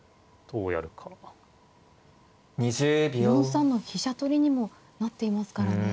４三の飛車取りにもなっていますからね。